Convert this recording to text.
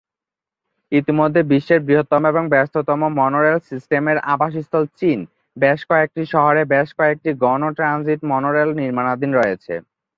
ইতোমধ্যে বিশ্বের বৃহত্তম এবং ব্যস্ততম মনোরেল সিস্টেমের আবাসস্থল চীন বেশ কয়েকটি শহরে বেশ কয়েকটি গণ ট্রানজিট মনোরেল নির্মাণাধীন রয়েছে।